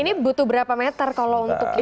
ini butuh berapa meter kalau untuk yang standar